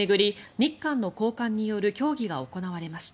日韓の高官による協議が行われました。